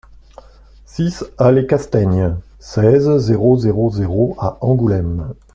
six allée Castaigne, seize, zéro zéro zéro à Angoulême